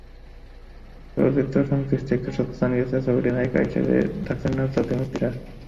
চলচ্চিত্রসংশ্লিষ্ট একটি সূত্র জানিয়েছে, ছবিটিতে নায়িকা হিসেবে থাকছেন নুসরাত ইমরোজ তিশা।